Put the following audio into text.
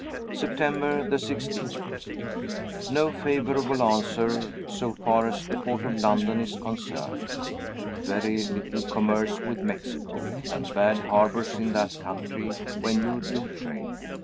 September 16. No favorable answer, so far as the port of London is concerned. Very little commerce with Mexico, and bad harbors in that country when you do trade.